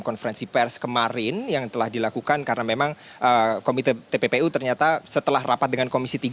konferensi pers kemarin yang telah dilakukan karena memang komite tppu ternyata setelah rapat dengan komisi tiga